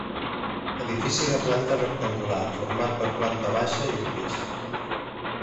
Edifici de planta rectangular, format per planta baixa i un pis.